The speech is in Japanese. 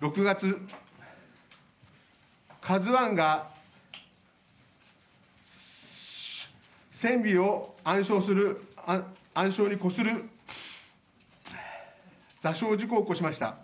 ６月、「ＫＡＺＵⅠ」が船尾を暗礁にこする座礁事故を起こしました。